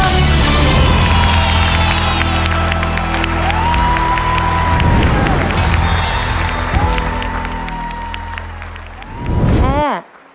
แม่